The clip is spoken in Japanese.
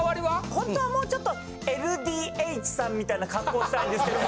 ほんとはもうちょっとＬＤＨさんみたいな恰好をしたいんですけど。